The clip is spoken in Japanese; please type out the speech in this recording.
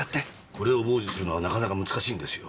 これを傍受するのはなかなか難しいんですよ。